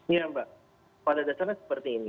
iya mbak pada dasarnya seperti ini